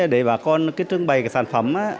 để bà con trưng bày cái sản phẩm